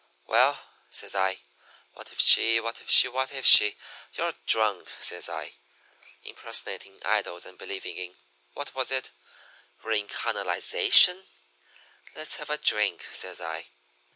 "'Well,' says I, 'what if she, what if she, what if she? You're drunk,' says I. 'Impersonating idols and believing in what was it? recarnalization? Let's have a drink,' says I.